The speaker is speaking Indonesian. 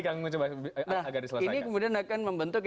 agar diselesaikan nah ini kemudian akan membentuk